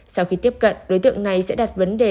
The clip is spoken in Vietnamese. sau khi tiếp cận đối tượng này sẽ đặt vấn đề